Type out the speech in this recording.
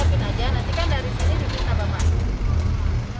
kita siapin aja nanti kan dari sini lebih tambah mas